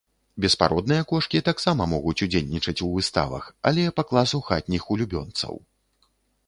Беспародныя кошкі таксама могуць удзельнічаць у выставах, але па класу хатніх улюбёнцаў.